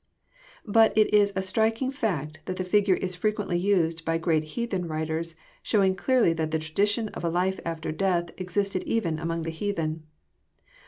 But it Is a striking fact that the figure is frequently used by great heathen writers, show ing clearly that the tradition of a life after death existed even among the heathen.